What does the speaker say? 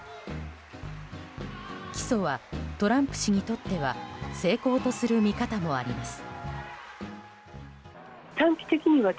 起訴はトランプ氏にとっては成功とする見方もあります。